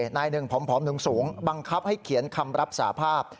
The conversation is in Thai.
นายหนึ่งผอมสูงบังคับให้เขียนคำรับสาภาพ